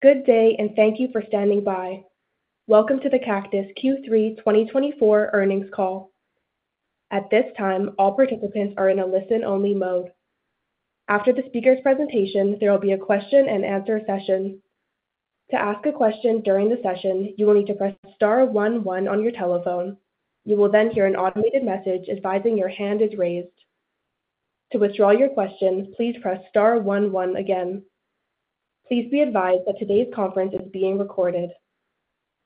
Good day, and thank you for standing by. Welcome to the Cactus Q3 2024 earnings call. At this time, all participants are in a listen-only mode. After the speaker's presentation, there will be a Q&A session. To ask a question during the session, you will need to press star 11 on your telephone. You will then hear an automated message advising your hand is raised. To withdraw your question, please press star 11 again. Please be advised that today's conference is being recorded.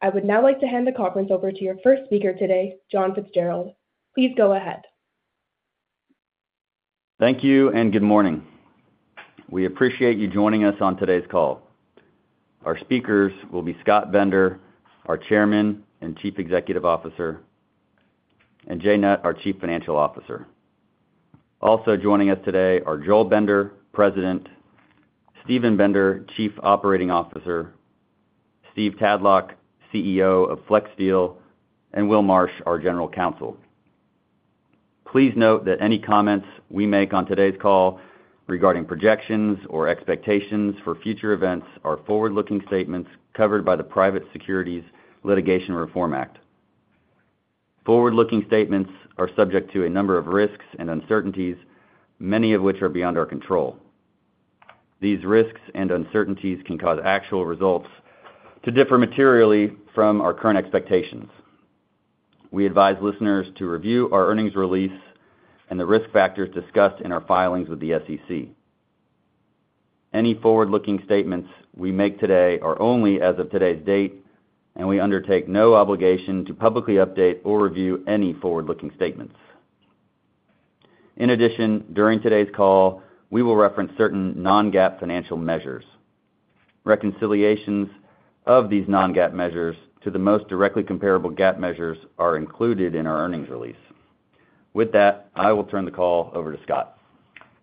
I would now like to hand the conference over to your first speaker today, John Fitzgerald. Please go ahead. Thank you, and good morning. We appreciate you joining us on today's call. Our speakers will be Scott Bender, our Chairman and Chief Executive Officer, and Jay Nutt, our Chief Financial Officer. Also joining us today are Joel Bender, President, Stephen Bender, Chief Operating Officer, Steve Tadlock, CEO of FlexSteel, and Will Marsh, our General Counsel. Please note that any comments we make on today's call regarding projections or expectations for future events are forward-looking statements covered by the Private Securities Litigation Reform Act. Forward-looking statements are subject to a number of risks and uncertainties, many of which are beyond our control. These risks and uncertainties can cause actual results to differ materially from our current expectations. We advise listeners to review our earnings release and the risk factors discussed in our filings with the SEC. Any forward-looking statements we make today are only as of today's date, and we undertake no obligation to publicly update or review any forward-looking statements. In addition, during today's call, we will reference certain non-GAAP financial measures. Reconciliations of these non-GAAP measures to the most directly comparable GAAP measures are included in our earnings release. With that, I will turn the call over to Scott.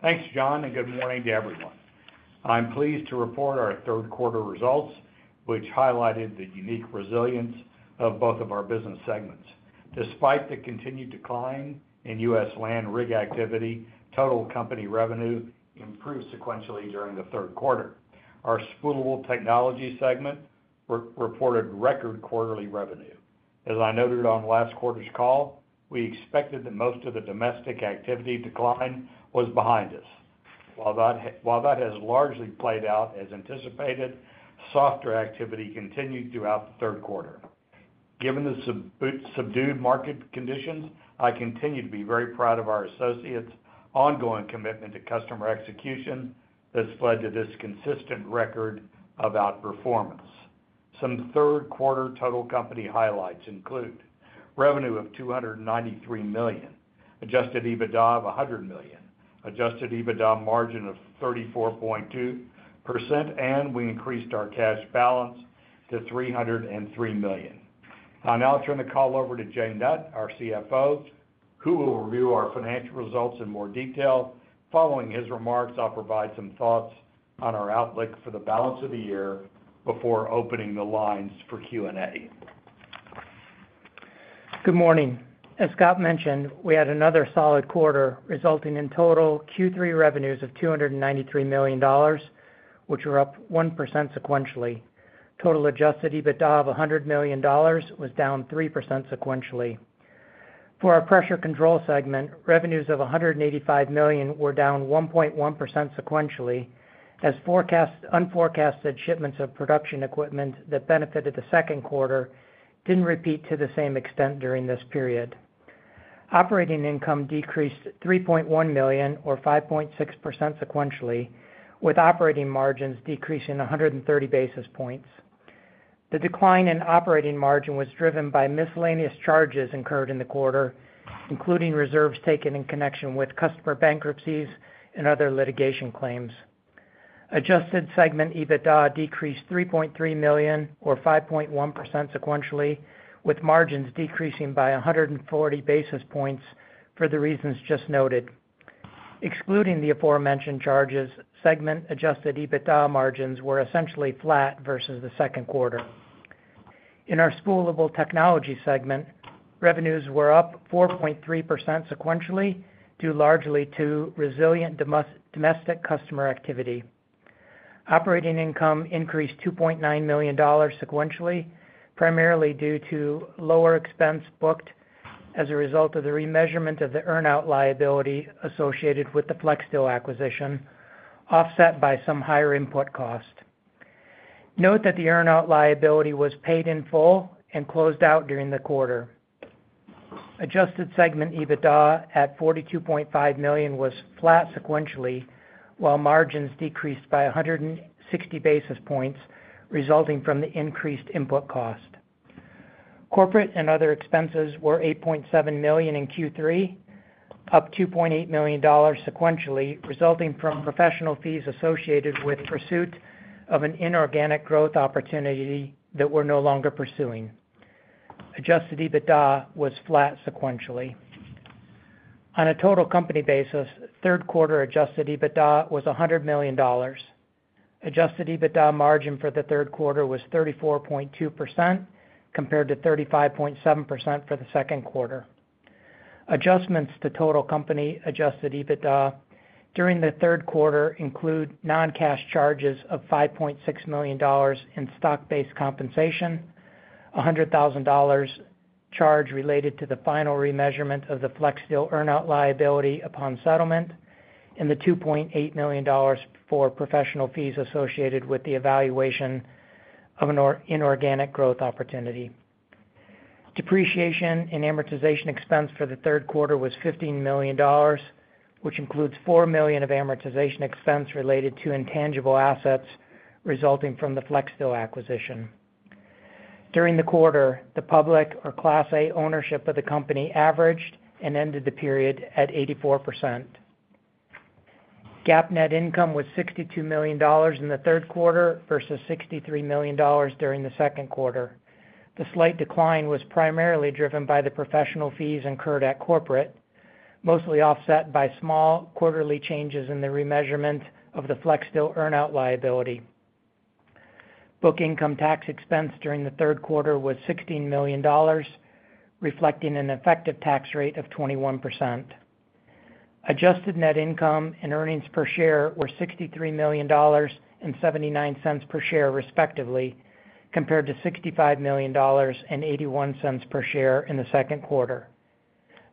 Thanks, John, and good morning to everyone. I'm pleased to report our Q3 results, which highlighted the unique resilience of both of our business segments. Despite the continued decline in U.S. land rig activity, total company revenue improved sequentially during the Q3. Our Spoolable Technologies segment reported record quarterly revenue. As I noted on last quarter's call, we expected that most of the domestic activity decline was behind us. While that has largely played out as anticipated, softer activity continued throughout the Q3. Given the subdued market conditions, I continue to be very proud of our associates' ongoing commitment to customer execution that's led to this consistent record of outperformance. Some Q3 total company highlights include revenue of $293 million, Adjusted EBITDA of $100 million, Adjusted EBITDA margin of 34.2%, and we increased our cash balance to $303 million. I now turn the call over to Jay Nutt, our CFO, who will review our financial results in more detail. Following his remarks, I'll provide some thoughts on our outlook for the balance of the year before opening the lines for Q&A. Good morning. As Scott mentioned, we had another solid quarter, resulting in total Q3 revenues of $293 million, which were up 1% sequentially. Total adjusted EBITDA of $100 million was down 3% sequentially. For our Pressure Control segment, revenues of $185 million were down 1.1% sequentially, as unforecasted shipments of production equipment that benefited the Q2 didn't repeat to the same extent during this period. Operating income decreased $3.1 million, or 5.6% sequentially, with operating margins decreasing 130 basis points. The decline in operating margin was driven by miscellaneous charges incurred in the quarter, including reserves taken in connection with customer bankruptcies and other litigation claims. Adjusted segment EBITDA decreased $3.3 million, or 5.1% sequentially, with margins decreasing by 140 basis points for the reasons just noted. Excluding the aforementioned charges, segment adjusted EBITDA margins were essentially flat versus the Q2. In our spoolable technology segment, revenues were up 4.3% sequentially due largely to resilient domestic customer activity. Operating income increased $2.9 million sequentially, primarily due to lower expense booked as a result of the remeasurement of the earn-out liability associated with the FlexSteel acquisition, offset by some higher input cost. Note that the earn-out liability was paid in full and closed out during the quarter. Adjusted segment EBITDA at $42.5 million was flat sequentially, while margins decreased by 160 basis points, resulting from the increased input cost. Corporate and other expenses were $8.7 million in Q3, up $2.8 million sequentially, resulting from professional fees associated with pursuit of an inorganic growth opportunity that we're no longer pursuing. Adjusted EBITDA was flat sequentially. On a total company basis, Q3 adjusted EBITDA was $100 million. Adjusted EBITDA margin for the Q3 was 34.2% compared to 35.7% for the Q2. Adjustments to total company adjusted EBITDA during the Q3 include non-cash charges of $5.6 million in stock-based compensation, $100,000 charge related to the final remeasurement of the FlexSteel earn-out liability upon settlement, and the $2.8 million for professional fees associated with the evaluation of an inorganic growth opportunity. Depreciation and amortization expense for the Q3 was $15 million, which includes $4 million of amortization expense related to intangible assets resulting from the FlexSteel acquisition. During the quarter, the public or Class A ownership of the company averaged and ended the period at 84%. GAAP net income was $62 million in the Q3 versus $63 million during the Q2. The slight decline was primarily driven by the professional fees incurred at corporate, mostly offset by small quarterly changes in the remeasurement of the FlexSteel earn-out liability. Book income tax expense during the Q3 was $16 million, reflecting an effective tax rate of 21%. Adjusted net income and earnings per share were $63 million and $0.79 per share, respectively, compared to $65 million and $0.81 per share in the Q2.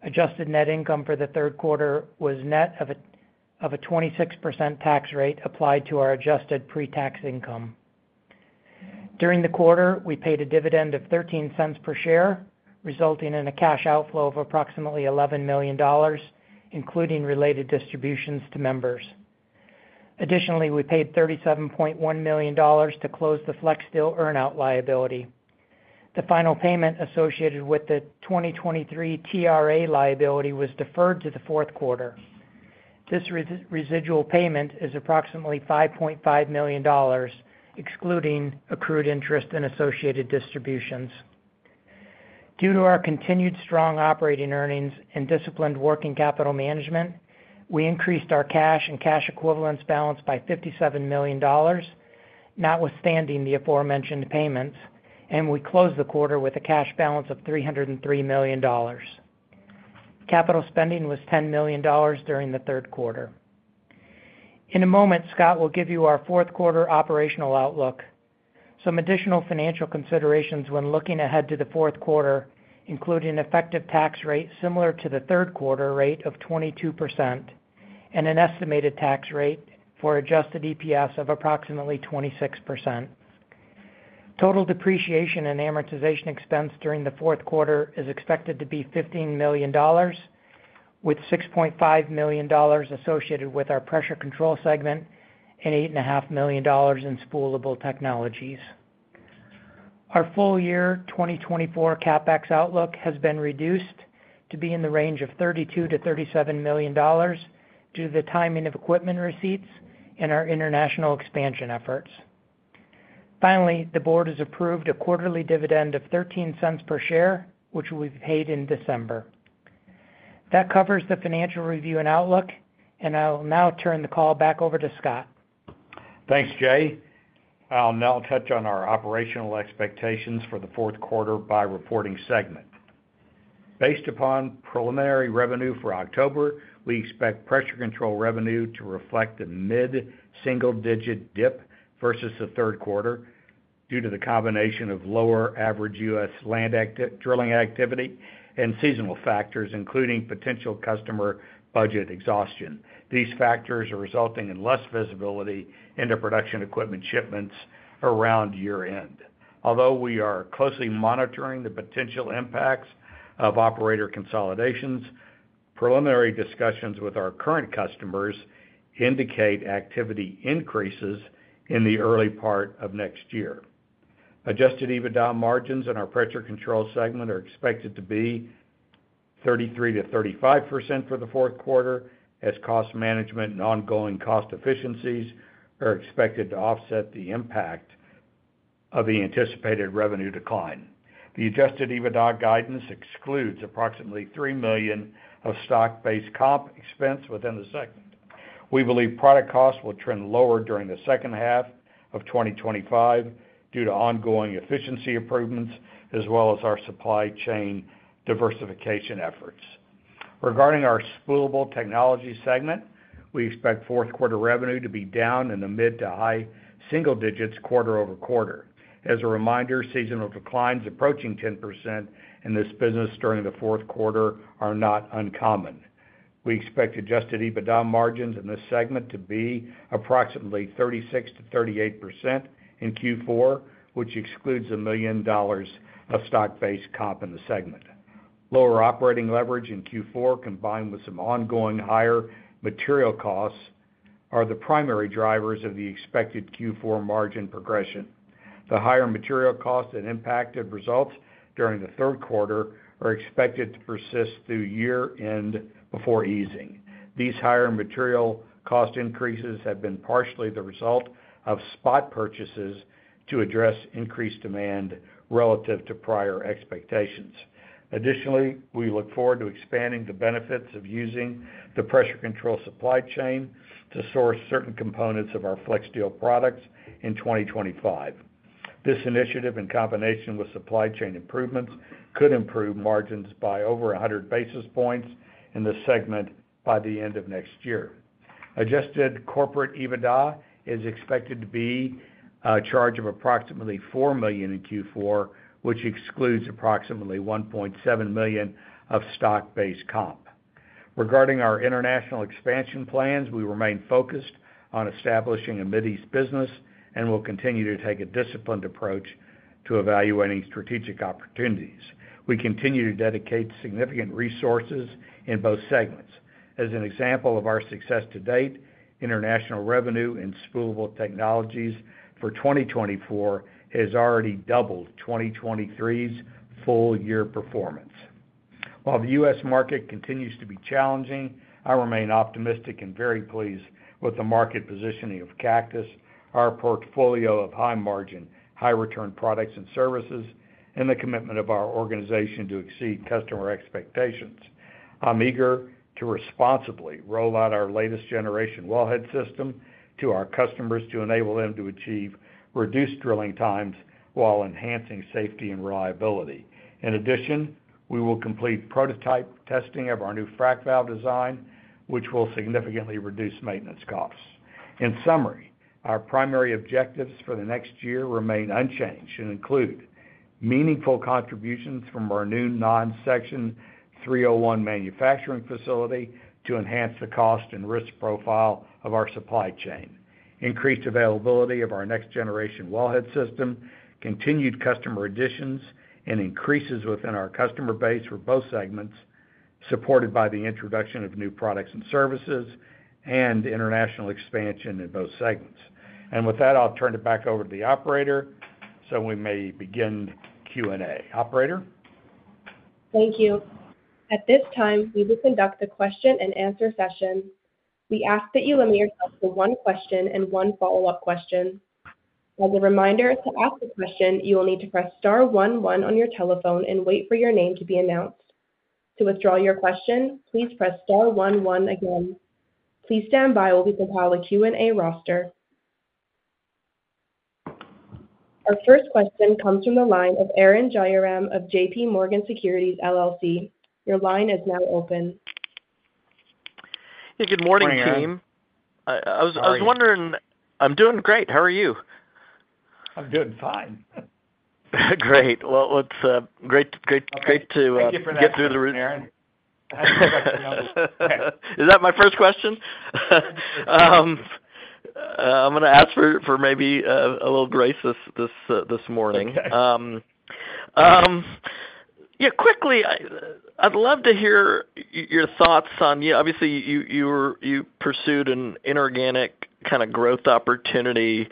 Adjusted net income for the Q3 was net of a 26% tax rate applied to our adjusted pre-tax income. During the quarter, we paid a dividend of $0.13 per share, resulting in a cash outflow of approximately $11 million, including related distributions to members. Additionally, we paid $37.1 million to close the FlexSteel earn-out liability. The final payment associated with the 2023 TRA liability was deferred to the Q4. This residual payment is approximately $5.5 million, excluding accrued interest and associated distributions. Due to our continued strong operating earnings and disciplined working capital management, we increased our cash and cash equivalents balance by $57 million, notwithstanding the aforementioned payments, and we closed the quarter with a cash balance of $303 million. Capital spending was $10 million during the Q3. In a moment, Scott will give you our Q4 operational outlook. Some additional financial considerations when looking ahead to the Q4, including effective tax rate similar to the Q3 rate of 22% and an estimated tax rate for adjusted EPS of approximately 26%. Total depreciation and amortization expense during the Q4 is expected to be $15 million, with $6.5 million associated with our Pressure Control segment and $8.5 million in Spoolable Technologies. Our full year 2024 CapEx outlook has been reduced to be in the range of $32 million to 37 million due to the timing of equipment receipts and our international expansion efforts. Finally, the board has approved a quarterly dividend of $0.13 per share, which we paid in December. That covers the financial review and outlook, and I'll now turn the call back over to Scott. Thanks, Jay. I'll now touch on our operational expectations for the Q4 by reporting segment. Based upon preliminary revenue for October, we expect pressure control revenue to reflect a mid-single-digit dip versus the Q3 due to the combination of lower average U.S. land drilling activity and seasonal factors, including potential customer budget exhaustion. These factors are resulting in less visibility into production equipment shipments around year-end. Although we are closely monitoring the potential impacts of operator consolidations, preliminary discussions with our current customers indicate activity increases in the early part of next year. Adjusted EBITDA margins in our pressure control segment are expected to be 33% to 35% for the Q4, as cost management and ongoing cost efficiencies are expected to offset the impact of the anticipated revenue decline. The adjusted EBITDA guidance excludes approximately $3 million of stock-based comp expense within the segment. We believe product costs will trend lower during the second half of 2025 due to ongoing efficiency improvements as well as our supply chain diversification efforts. Regarding our spoolable technology segment, we expect Q4 revenue to be down in the mid to high single-digits quarter over quarter. As a reminder, seasonal declines approaching 10% in this business during the Q4 are not uncommon. We expect adjusted EBITDA margins in this segment to be approximately 36% to 38% in Q4, which excludes $1 million of stock-based comp in the segment. Lower operating leverage in Q4, combined with some ongoing higher material costs, are the primary drivers of the expected Q4 margin progression. The higher material costs and impacted results during the Q3 are expected to persist through year-end before easing. These higher material cost increases have been partially the result of spot purchases to address increased demand relative to prior expectations. Additionally, we look forward to expanding the benefits of using the pressure control supply chain to source certain components of our FlexSteel products in 2025. This initiative, in combination with supply chain improvements, could improve margins by over 100 basis points in the segment by the end of next year. Adjusted corporate EBITDA is expected to be a charge of approximately $4 million in Q4, which excludes approximately $1.7 million of stock-based comp. Regarding our international expansion plans, we remain focused on establishing a Middle East business and will continue to take a disciplined approach to evaluating strategic opportunities. We continue to dedicate significant resources in both segments. As an example of our success to date, international revenue in spoolable technologies for 2024 has already doubled 2023's full-year performance. While the U.S. market continues to be challenging, I remain optimistic and very pleased with the market positioning of Cactus, our portfolio of high-margin, high-return products and services, and the commitment of our organization to exceed customer expectations. I'm eager to responsibly roll out our latest-generation wellhead system to our customers to enable them to achieve reduced drilling times while enhancing safety and reliability. In addition, we will complete prototype testing of our new frac valve design, which will significantly reduce maintenance costs. In summary, our primary objectives for the next year remain unchanged and include meaningful contributions from our new non-Section 301 manufacturing facility to enhance the cost and risk profile of our supply chain, increased availability of our next-generation wellhead system, continued customer additions, and increases within our customer base for both segments, supported by the introduction of new products and services and international expansion in both segments. And with that, I'll turn it back over to the operator so we may begin Q&A. Operator? Thank you. At this time, we will conduct a question-and-answer session. We ask that you limit yourself to one question and one follow-up question. As a reminder, to ask a question, you will need to press star 11 on your telephone and wait for your name to be announced. To withdraw your question, please press star 11 again. Please stand by while we compile a Q&A roster. Our first question comes from the line of Arun Jayaram of JPMorgan Securities, LLC. Your line is now open. Hey, good morning, team. I was wondering. I'm doing great. How are you? I'm doing fine. Great, well, great to get through the room. Is that my first question? I'm going to ask for maybe a little grace this morning. Quickly, I'd love to hear your thoughts on, obviously, you pursued an inorganic kind of growth opportunity.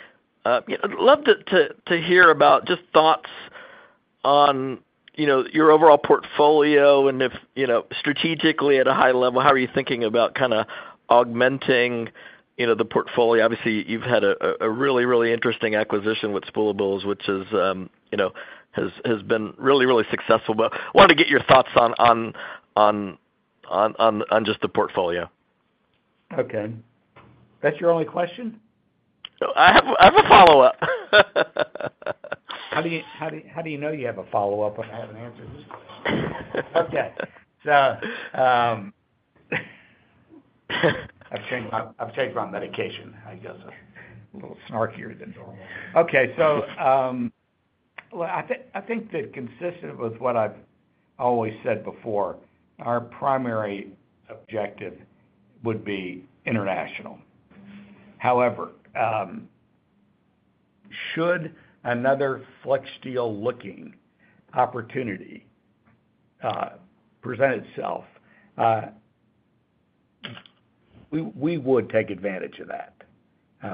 I'd love to hear about just thoughts on your overall portfolio and if strategically, at a high level, how are you thinking about kind of augmenting the portfolio? Obviously, you've had a really, really interesting acquisition with Spoolables, which has been really, really successful. But I wanted to get your thoughts on just the portfolio. Okay. That's your only question? I have a follow-up. How do you know you have a follow-up when I haven't answered this question? Okay. So I've changed my medication, I guess. A little snarkier than normal. Okay. So I think that consistent with what I've always said before, our primary objective would be international. However, should another FlexSteel-looking opportunity present itself, we would take advantage of that.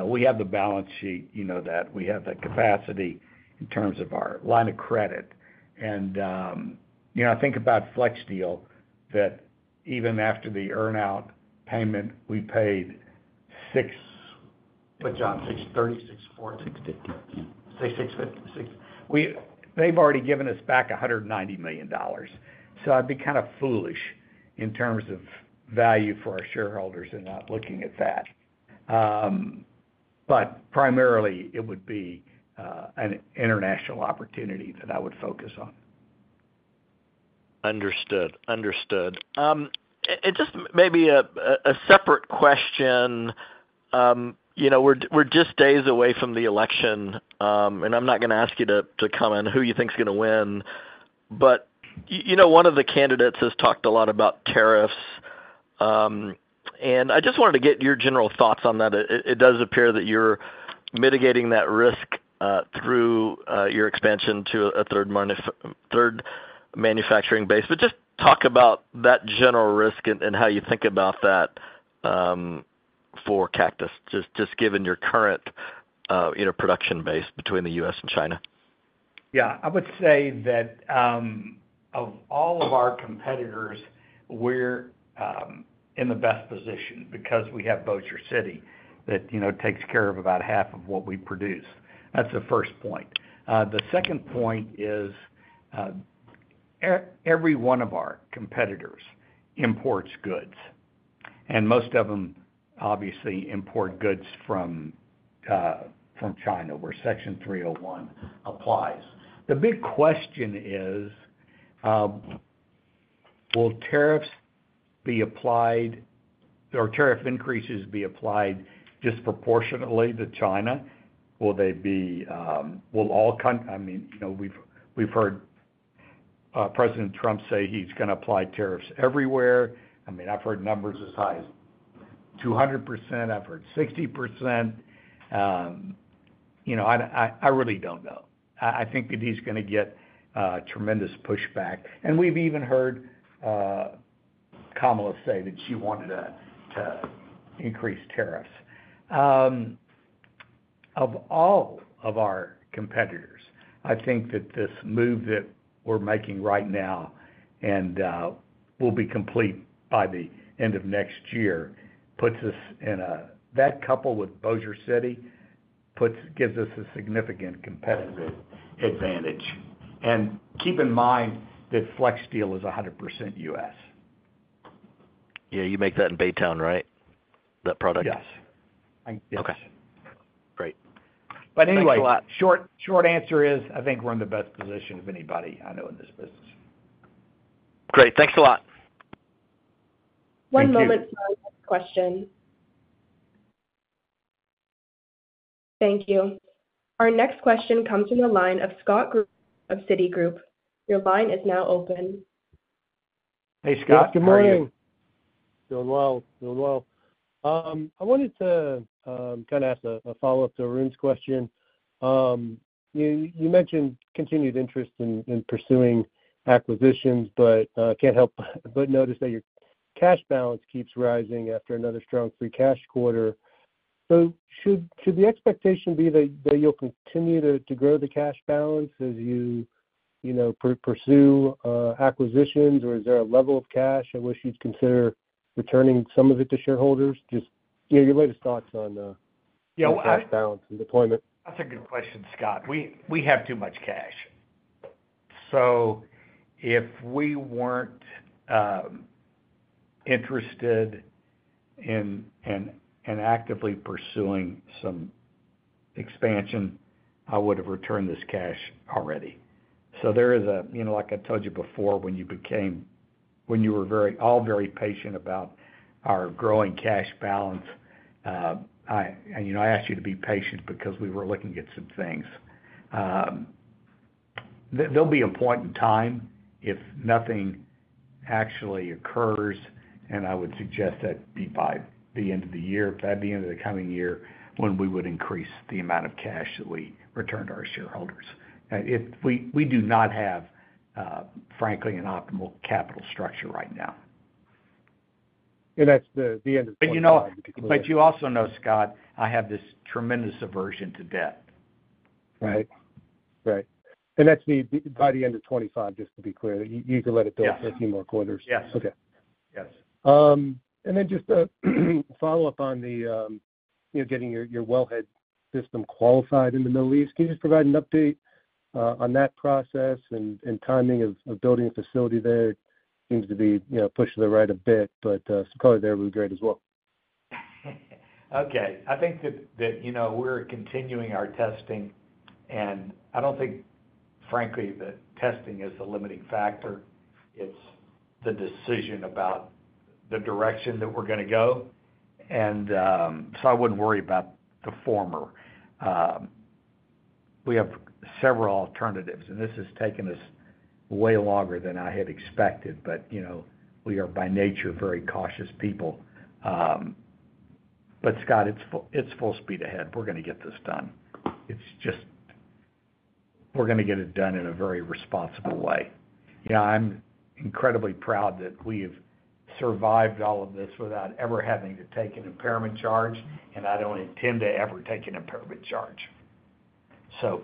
We have the balance sheet, you know that. We have the capacity in terms of our line of credit. And I think about FlexSteel that even after the earn-out payment, we paid six. What job? 6,364. Six, fifty. $66.50. They've already given us back $190 million. I'd be kind of foolish in terms of value for our shareholders in not looking at that. But primarily, it would be an international opportunity that I would focus on. Understood. And just maybe a separate question. We're just days away from the election, and I'm not going to ask you to comment on who you think is going to win. But one of the candidates has talked a lot about tariffs. And I just wanted to get your general thoughts on that. It does appear that you're mitigating that risk through your expansion to a third manufacturing base. But just talk about that general risk and how you think about that for Cactus, just given your current production base between the U.S. and China. Yeah. I would say that of all of our competitors, we're in the best position because we have Bossier City that takes care of about half of what we produce. That's the first point. The second point is every one of our competitors imports goods. And most of them, obviously, import goods from China where Section 301 applies. The big question is, will tariffs be applied or tariff increases be applied disproportionately to China? Will they be, well, I mean, we've heard President Trump say he's going to apply tariffs everywhere. I mean, I've heard numbers as high as 200%. I've heard 60%. I really don't know. I think that he's going to get tremendous pushback. And we've even heard Kamala say that she wanted to increase tariffs. Of all of our competitors, I think that this move that we're making right now and will be complete by the end of next year puts us in, coupled with Bossier City, gives us a significant competitive advantage. And keep in mind that FlexSteel is 100% U.S. Yeah. You make that in Baytown, right? That product? Yes. Yes. Okay. Great. Thanks a lot. But anyway, short answer is I think we're in the best position of anybody I know in this business. Great. Thanks a lot. One moment, Scott. Question. Thank you. Our next question comes from the line of Scott of Citigroup. Your line is now open. Hey, Scott. Good morning. Good morning. Doing well. Doing well. I wanted to kind of ask a follow-up to Arun's question. You mentioned continued interest in pursuing acquisitions, but I can't help but notice that your cash balance keeps rising after another strong free cash quarter. So should the expectation be that you'll continue to grow the cash balance as you pursue acquisitions, or is there a level of cash at which you'd consider returning some of it to shareholders? Just your latest thoughts on cash balance and deployment. That's a good question, Scott. We have too much cash. So if we weren't interested in actively pursuing some expansion, I would have returned this cash already. So there is a, like I told you before when you became, when you were all very patient about our growing cash balance, I asked you to be patient because we were looking at some things. There'll be a point in time if nothing actually occurs, and I would suggest that be by the end of the year, by the end of the coming year, when we would increase the amount of cash that we return to our shareholders. We do not have, frankly, an optimal capital structure right now. That's the end of 2025. But you also know, Scott, I have this tremendous aversion to debt. Right. Right. And that's by the end of 2025, just to be clear. You can let it build for a few more quarters. Yes. Yes. Okay. And then just a follow-up on getting your wellhead system qualified in the Middle East. Can you just provide an update on that process and timing of building a facility there? Seems to be pushed to the right a bit, but some color there would be great as well. Okay. I think that we're continuing our testing. And I don't think, frankly, that testing is the limiting factor. It's the decision about the direction that we're going to go. And so I wouldn't worry about the former. We have several alternatives, and this has taken us way longer than I had expected, but we are, by nature, very cautious people. But Scott, it's full speed ahead. We're going to get this done. It's just we're going to get it done in a very responsible way. I'm incredibly proud that we have survived all of this without ever having to take an impairment charge, and I don't intend to ever take an impairment charge. So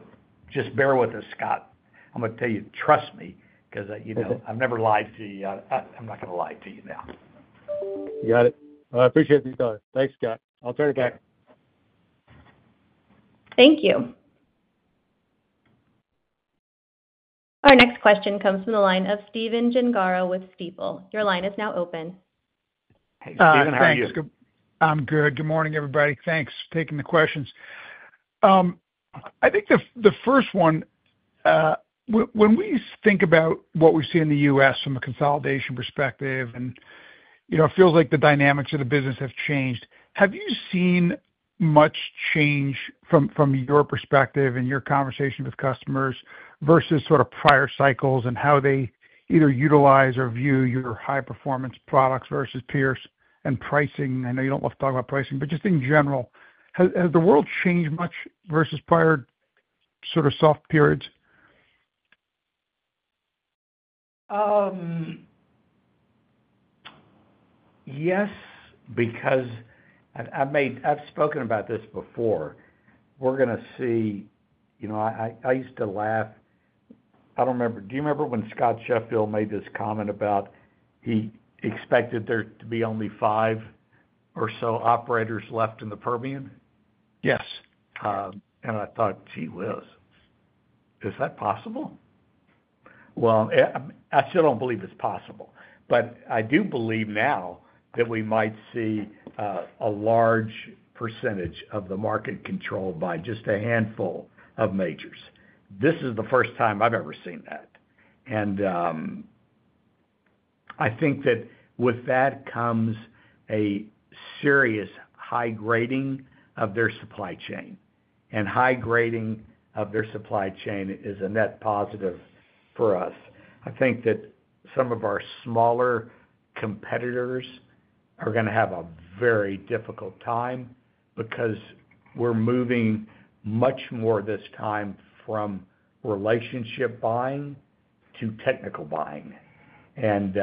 just bear with us, Scott. I'm going to tell you, trust me, because I've never lied to you. I'm not going to lie to you now. Got it. Well, I appreciate the time. Thanks, Scott. I'll turn it back. Thank you. Our next question comes from the line of Stephen Gengaro with Stifel. Your line is now open. Hey, Stephen. How are you? Hi. I'm good. Good morning, everybody. Thanks for taking the questions. I think the first one, when we think about what we see in the U.S. from a consolidation perspective, and it feels like the dynamics of the business have changed, have you seen much change from your perspective and your conversation with customers versus sort of prior cycles and how they either utilize or view your high-performance products versus peers and pricing? I know you don't love to talk about pricing, but just in general, has the world changed much versus prior sort of soft periods? Yes, because I've spoken about this before. We're going to see. I used to laugh. I don't remember. Do you remember when Scott Sheffield made this comment about he expected there to be only five or so operators left in the Permian? Yes. I thought, "Gee whiz, is that possible?" Well, I still don't believe it's possible. But I do believe now that we might see a large percentage of the market controlled by just a handful of majors. This is the first time I've ever seen that. And I think that with that comes a serious high grading of their supply chain. And high grading of their supply chain is a net positive for us. I think that some of our smaller competitors are going to have a very difficult time because we're moving much more this time from relationship buying to technical buying. And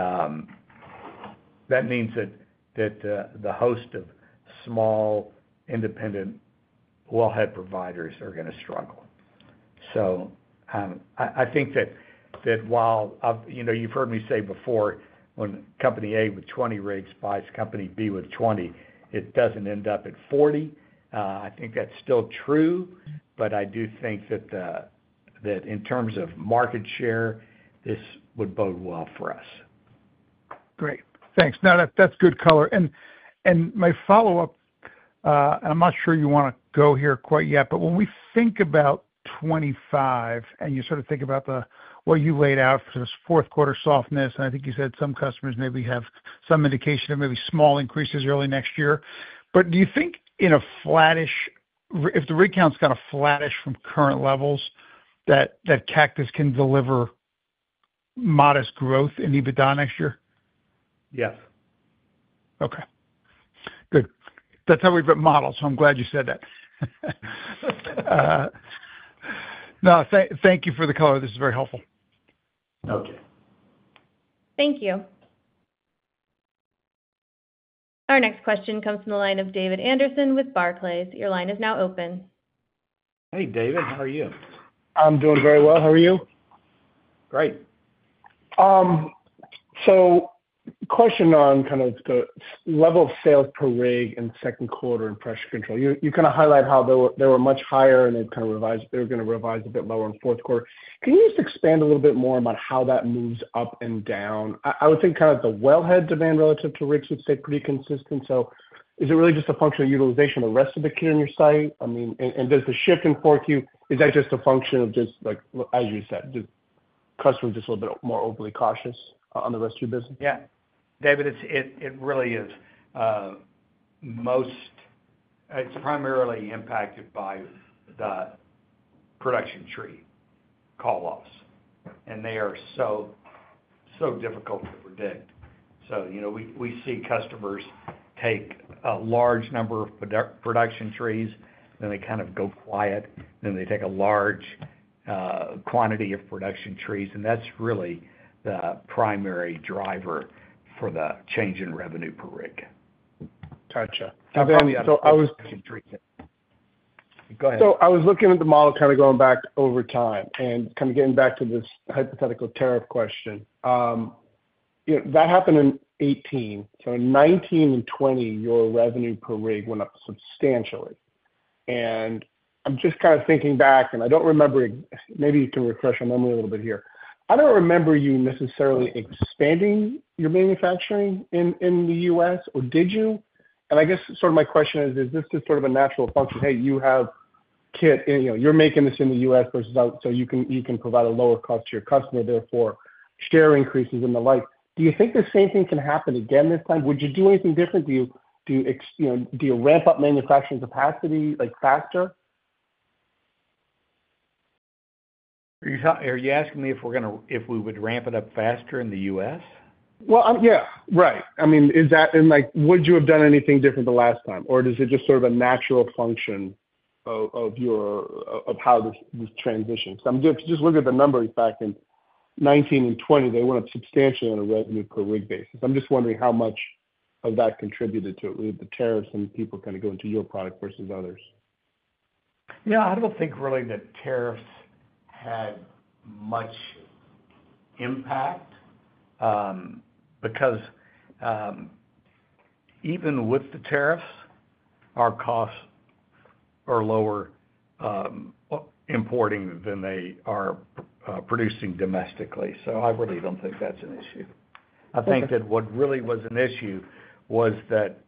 that means that the host of small independent wellhead providers are going to struggle. So I think that while you've heard me say before, when Company A with 20 rigs buys Company B with 20, it doesn't end up at 40, I think that's still true. But I do think that in terms of market share, this would bode well for us. Great. Thanks. No, that's good color, and my follow-up, I'm not sure you want to go here quite yet, but when we think about 2025 and you sort of think about what you laid out for this Q4 softness, and I think you said some customers maybe have some indication of maybe small increases early next year, but do you think in a flattish, if the rig count's kind of flattish from current levels, that Cactus can deliver modest growth in EBITDA next year? Yes. Okay. Good. That's how we've been modeled, so I'm glad you said that. No, thank you for the color. This is very helpful. Okay. Thank you. Our next question comes from the line of David Anderson with Barclays. Your line is now open. Hey, David. How are you? I'm doing very well. How are you? Great. So, question on kind of the level of sales per rig in Q2 and pressure control. You kind of highlight how they were much higher and they were going to revise a bit lower in Q4. Can you just expand a little bit more about how that moves up and down? I would think kind of the wellhead demand relative to rigs would stay pretty consistent. So is it really just a function of utilization of the rest of the equipment on your site? I mean, and does the shift in forecast, is that just a function of just, as you said, customers just a little bit more overly cautious on the rest of your business? Yeah. David, it really is. It's primarily impacted by the production tree call-offs. And they are so difficult to predict. So we see customers take a large number of production trees, then they kind of go quiet, then they take a large quantity of production trees. And that's really the primary driver for the change in revenue per rig. Gotcha. So I was. So I was looking at the model kind of going back over time and kind of getting back to this hypothetical tariff question. That happened in 2018. So in 2019 and 2020, your revenue per rig went up substantially. And I'm just kind of thinking back, and I don't remember, maybe you can refresh my memory a little bit here. I don't remember you necessarily expanding your manufacturing in the U.S., or did you? And I guess sort of my question is, is this just sort of a natural function? Hey, you have kit in, you're making this in the U.S. versus out, so you can provide a lower cost to your customer, therefore share increases and the like. Do you think the same thing can happen again this time? Would you do anything different? Do you ramp up manufacturing capacity faster? Are you asking me if we would ramp it up faster in the U.S.? Yeah. Right. I mean, is that, and would you have done anything different the last time? Or is it just sort of a natural function of how this transition? Because I'm just looking at the numbers back in 2019 and 2020, they went up substantially on a revenue per rig basis. I'm just wondering how much of that contributed to it, the tariffs and people kind of going to your product versus others. Yeah. I don't think really that tariffs had much impact because even with the tariffs, our costs are lower importing than they are producing domestically. So I really don't think that's an issue. I think that what really was an issue was that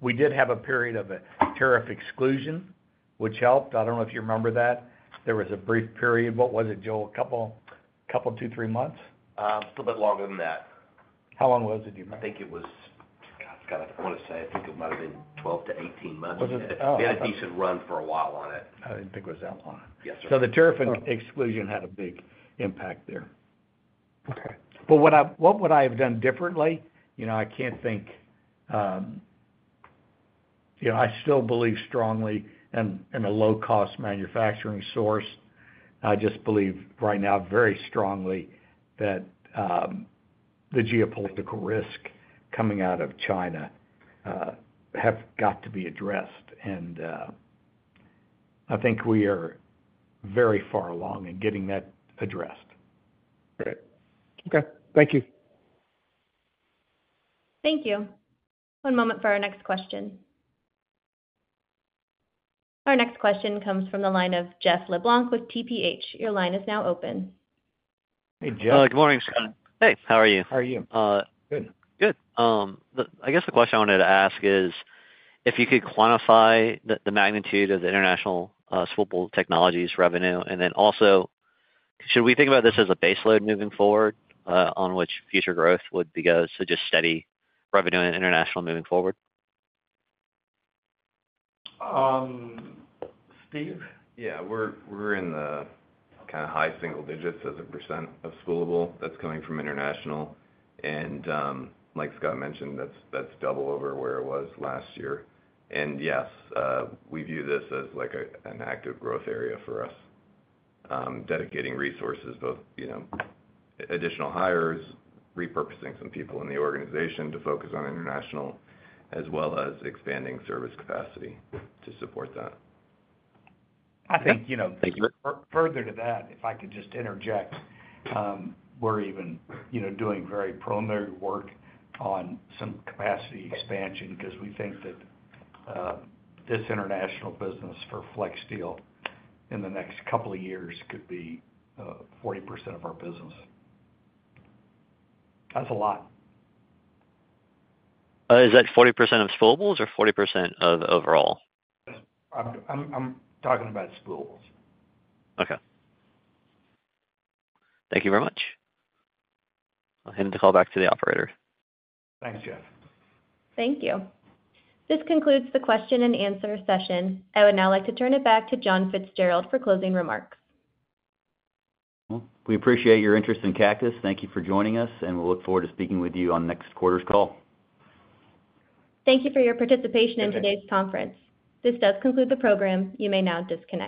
we did have a period of a tariff exclusion, which helped. I don't know if you remember that. There was a brief period. What was it, Joel? A couple of two, three months? A little bit longer than that. How long was it, do you remember? I think it was. I want to say I think it might have been 12 to 18 months. We had a decent run for a while on it. I didn't think it was that long. Yes, sir. So the tariff exclusion had a big impact there. Okay. But what would I have done differently? I can't think. I still believe strongly in a low-cost manufacturing source. I just believe right now very strongly that the geopolitical risk coming out of China has got to be addressed. And I think we are very far along in getting that addressed. Great. Okay. Thank you. Thank you. One moment for our next question. Our next question comes from the line of Jeff LeBlanc with TPH. Your line is now open. Hey, Jeff. Hi. Good morning, Scott. Hey. How are you? How are you? Good. Good. I guess the question I wanted to ask is, if you could quantify the magnitude of the international Spoolable Technologies' revenue, and then also, should we think about this as a baseload moving forward on which future growth would be goes? So just steady revenue and international moving forward? Steve? Yeah. We're in the kind of high single digits percent of spoolable that's coming from international. And like Scott mentioned, that's double over where it was last year. And yes, we view this as an active growth area for us, dedicating resources, both additional hires, repurposing some people in the organization to focus on international, as well as expanding service capacity to support that. I think. Thank you. Further to that, if I could just interject, we're even doing very preliminary work on some capacity expansion because we think that this international business for FlexSteel in the next couple of years could be 40% of our business. That's a lot. Is that 40% of spoolables or 40% of overall? I'm talking about spoolables. Okay. Thank you very much. I'll hand the call back to the operator. Thanks, Jeff. Thank you. This concludes the question and answer session. I would now like to turn it back to John Fitzgerald for closing remarks. We appreciate your interest in Cactus. Thank you for joining us, and we'll look forward to speaking with you on next quarter's call. Thank you for your participation in today's conference. This does conclude the program. You may now disconnect.